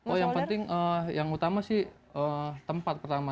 oh yang penting yang utama sih tempat pertama